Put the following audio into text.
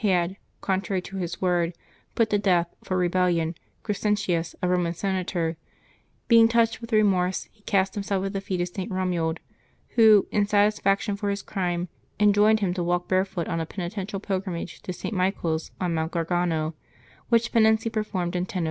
had, contrary to his word, put to death, for rebellion, Crescentius, a Eoman senator, being touched with remorse he cast himself at the feet of St. Romuald, who, in satisfaction for his crime, enjoined him to walk barefoot, on a penitential pilgrimage, to St. Michael's on Mount Gargano, which penance he performed in 1002.